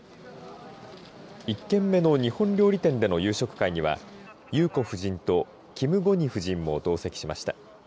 １軒目の日本料理店での夕食会には裕子夫人とキム・ゴニ夫人も同席しました。